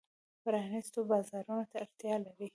پرانیستو بازارونو ته اړتیا لري.